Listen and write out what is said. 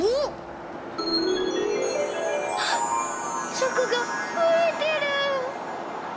チョコがふえてる！